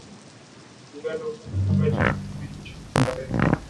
Uganda hubuni kifaa cha kudhibiti uchafuzi wa hewa